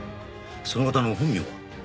その方の本名は？